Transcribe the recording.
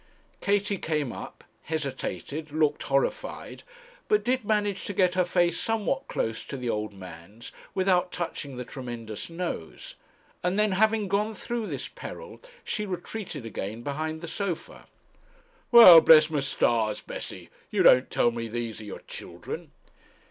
Katie came up, hesitated, looked horrified, but did manage to get her face somewhat close to the old man's without touching the tremendous nose, and then having gone through this peril she retreated again behind the sofa. 'Well; bless my stars, Bessie, you don't tell me those are your children?'